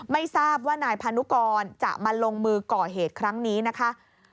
ไม่ทราบว่านายพานุกรจะมาลงมือก่อเหตุครั้งนี้นะคะ